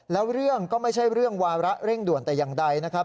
แล้วเรื่องก็ไม่ใช่เรื่องวาระเร่งด่วนแต่อย่างใดนะครับ